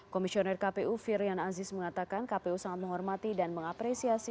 komisioner kpu firian aziz mengatakan kpu sangat menghormati dan mengapresiasi